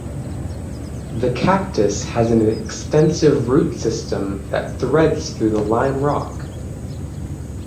The cactus has an extensive root system that threads through the lime rock.